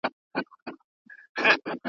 د ریا منبر ته خیژي ګناهکاره ثوابونه `